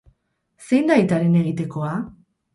Zein da aitaren egitekoa?